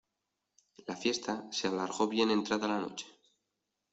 La fiesta se alargó bien entrada la noche.